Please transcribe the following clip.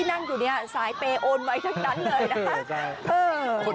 โอ๊ยนังอยู่นี่สายเป็นโอนไว้ทั้งนั้นเลย